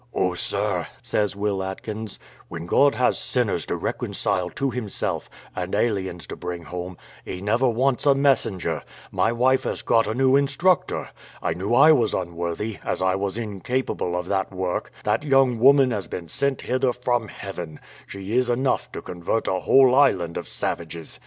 "Oh, sir," says Will Atkins, "when God has sinners to reconcile to Himself, and aliens to bring home, He never wants a messenger; my wife has got a new instructor: I knew I was unworthy, as I was incapable of that work; that young woman has been sent hither from heaven she is enough to convert a whole island of savages."